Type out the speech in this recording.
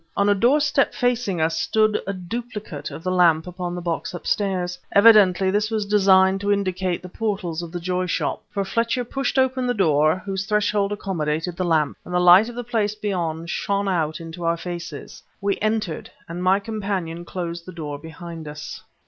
On a doorstep facing us stood a duplicate of the lamp upon the box upstairs. Evidently this was designed to indicate the portals of the Joy Shop, for Fletcher pushed open the door, whose threshold accommodated the lamp, and the light of the place beyond shone out into our faces. We entered and my companion closed the door behind us.